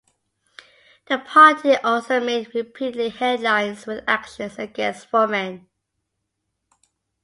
The party also made repeatedly headlines with actions against women.